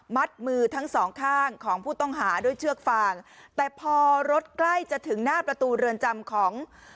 มือทั้งสองข้างของผู้ต้องหาด้วยเชือกฟางแต่พอรถใกล้จะถึงหน้าประตูเรือนจำของ